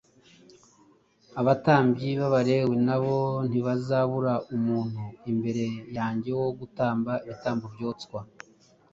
abatambyi b’Abalewi na bo ntibazabura umuntu imbere yanjye wo gutamba ibitambo byoswa,